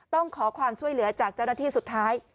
ต้องขอความช่วยเหลือจากเจ้าหน้าที่สุดท้าย